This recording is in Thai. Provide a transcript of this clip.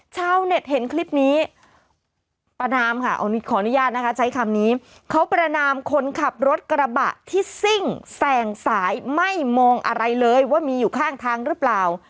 ชาวเน็ตเห็นคลิปนี้ประนามค่ะขออนุญาตนะคะใช้คำนี้เขาประนามคนขับรถกระบะที่ซิ่งแสงสายไม่มองอะไรเลยว่ามีอยู่ข้างทางหรือเปล่า